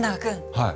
はい。